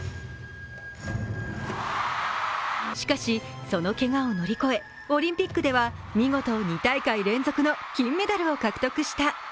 しかし、そのけがを乗り越え、オリンピックでは見事、２大会連続の金メダルを獲得した。